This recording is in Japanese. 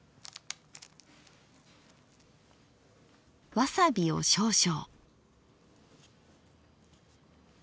わさびを少々。